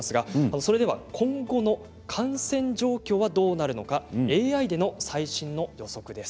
それでは今後の感染状況はどうなのかＡＩでの最新の予測です。